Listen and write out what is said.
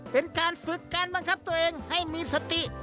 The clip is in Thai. เป็นการฝึกการบังคับตัวเองให้มีสติ